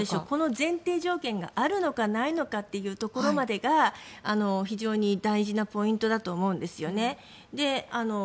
この前提条件があるのかないのかというところまでが非常に大事なポイントだと思うんですよね。